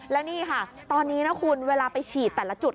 แล้วนี่ค่ะตอนนี้นะคุณเวลาไปฉีดแต่ละจุด